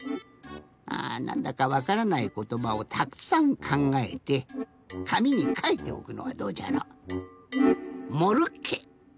あなんだかわからないことばをたくさんかんがえてかみにかいておくのはどうじゃろ。